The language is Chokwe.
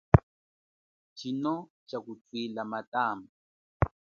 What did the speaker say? Tshino tsha kutwila matamba.